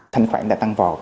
thanh khoản đã tăng vọt